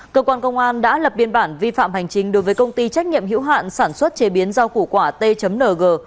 cơ quan công an đã lập biên bản vi phạm hành trình đối với công ty trách nhiệm hữu hạn sản xuất chế biến rau củ quả t ng